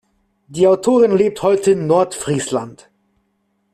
Die Autorin lebt heute in Nordfriesland.